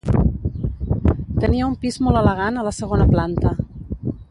Tenia un pis molt elegant a la segona planta.